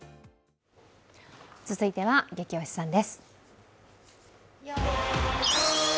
続いては、「ゲキ推しさん」です。